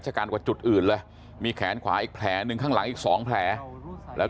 กันกว่าจุดอื่นเลยมีแขนขวาอีกแผลหนึ่งข้างหลังอีก๒แผลแล้ว